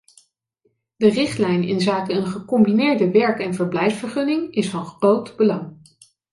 De richtlijn inzake een gecombineerde werk- en verblijfsvergunning is van groot belang.